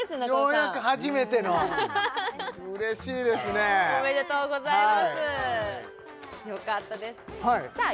ようやく初めてのうれしいですねおめでとうございますよかったですさあ